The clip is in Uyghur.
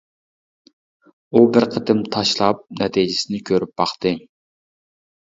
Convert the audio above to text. ئۇ بىر قېتىم تاشلاپ نەتىجىسىنى كۆرۈپ باقتى.